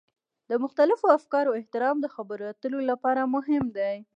د مختلفو افکارو احترام د خبرو اترو لپاره مهم دی.